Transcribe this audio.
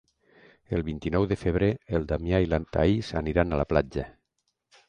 El vint-i-nou de febrer en Damià i na Thaís aniran a la platja.